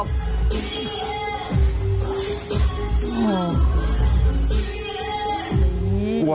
ต้องสูงไว้ต่อหัวกลัว